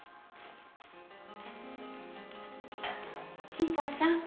新川さん。